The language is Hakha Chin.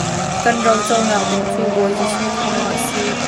Kan roconak ding cu Bawi Jesuh thawngin a si.